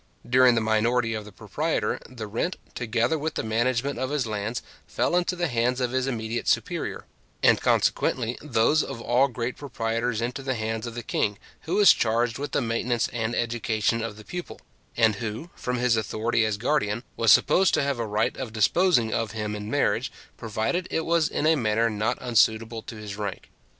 During the minority of the proprietor, the rent, together with the management of his lands, fell into the hands of his immediate superior; and, consequently, those of all great proprietors into the hands of the king, who was charged with the maintenance and education of the pupil, and who, from his authority as guardian, was supposed to have a right of disposing of him in marriage, provided it was in a manner not unsuitable to his rank.